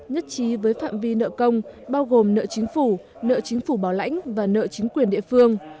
nhất trí với phạm vi nợ công bao gồm nợ chính phủ nợ chính phủ bảo lãnh và nợ chính quyền địa phương